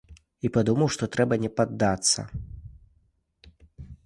І падумаў, што трэба не паддацца.